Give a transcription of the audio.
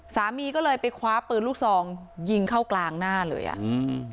สามีก็เลยไปคว้าปืนลูกซองยิงเข้ากลางหน้าเลยอ่ะอืม